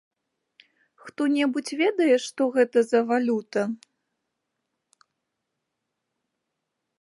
Хто-небудзь ведае, што гэта за валюта?